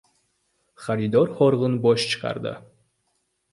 Xaridor horg‘in bosh chayqadi.